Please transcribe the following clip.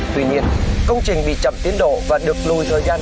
tuy nhiên công trình bị chậm tiến độ và được lùi hơn năm tầng